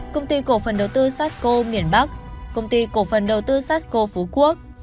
công ty cổ phần đầu tư sasko miền bắc công ty cổ phần đầu tư sasko phú quốc